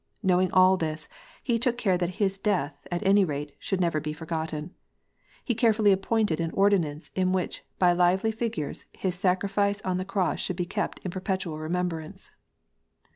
Knowing all this, He took care that His death, at any rate, should never be forgotten. He carefully appointed an ordinance, in which, by lively figures, His sacrifice on the Cross should be kept in perpetual remem brance.